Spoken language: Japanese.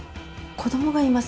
子供がいます。